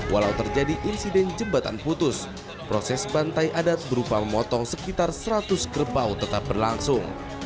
walau terjadi insiden jembatan putus proses bantai adat berupa memotong sekitar seratus kerbau tetap berlangsung